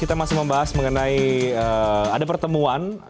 kita masih membahas mengenai ada pertemuan